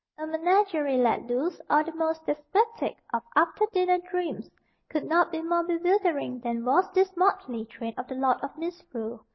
A menagerie let loose, or the most dyspeptic of after dinner dreams, could not be more bewildering than was this motley train of the Lord of Misrule.